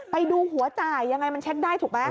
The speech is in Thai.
ไปดูหัวจ่ายยังไงมันเช็คได้ถูกไหม